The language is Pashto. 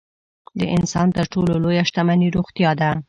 د انسان تر ټولو لویه شتمني روغتیا ده.